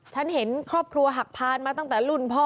ฉันเห็นครอบครัวหักพานมาตั้งแต่รุ่นพ่อ